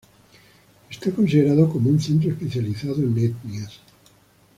Es considerado como un centro especializado en etnias.